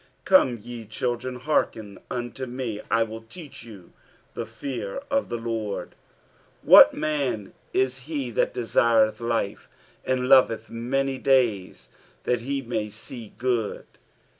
1 1 Come, ye children, hearken unto me : I will teach you the fear of the Lord. 12 What man is he that desireth IHe, and loveth many days, that . he may see good